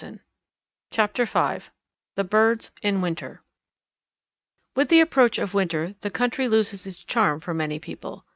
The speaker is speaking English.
CHAPTER V THE BIRDS IN WINTER With the approach of winter the country loses its charm for many people.